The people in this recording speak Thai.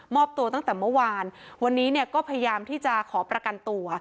อบตัวตั้งแต่เมื่อวานวันนี้เนี่ยก็พยายามที่จะขอประกันตัว